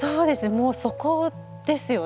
もうそこですよね。